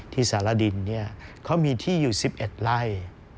สารดินเขามีที่อยู่๑๑ไร่